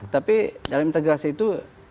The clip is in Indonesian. tapi dalam integrasi itu